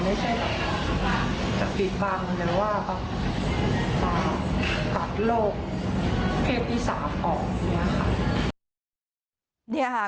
ไม่ใช่จับผิดบังแต่ว่าตัดโรคเพศที่๓ออกอยู่ในนี้ค่ะ